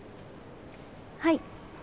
はい。